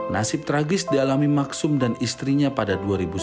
nasib tragis dialami maksum dan istrinya pada dua ribu sembilan